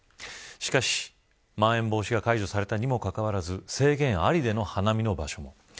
しかし、まん延防止が解除されたにもかかわらず制限ありでの花見の場所。